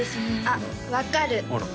あっ分かる